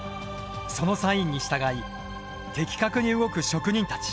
そのサインに従い的確に動く職人たち。